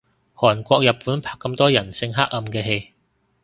韓國日本拍咁多人性黑暗嘅戲